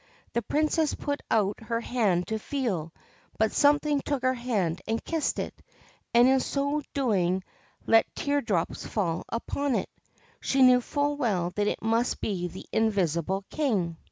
The Princess put out her hand to feel, but somebody took her hand and kissed it, and in so doing let tear drops fall upon it. She knew full well that it must be the invisible King.